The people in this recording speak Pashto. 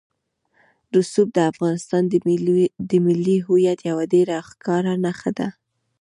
رسوب د افغانستان د ملي هویت یوه ډېره ښکاره نښه ده.